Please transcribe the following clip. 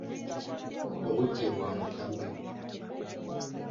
Obudde bwa mukalwe.